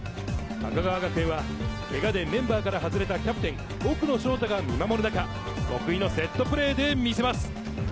高川学園はけがでメンバーから外れたキャプテン・奥野奨太が見守る中、得意のセットプレーで見せます。